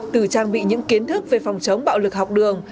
từ trang bị những kiến thức về phòng chống bạo lực học đường